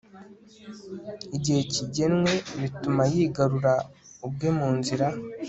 igihe kigenwe bituma yigarura ubwe mu nzira